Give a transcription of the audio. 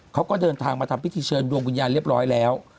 เขาก็เดินทางมาทำพิธีเชิญดวงวิญญาณเรียบร้อยแล้ว